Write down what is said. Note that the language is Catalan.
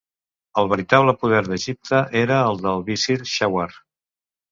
El veritable poder d'Egipte era el del visir, Shawar.